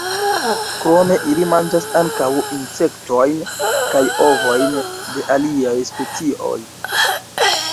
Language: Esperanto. Krome ili manĝas ankaŭ insektojn kaj ovojn de aliaj specioj.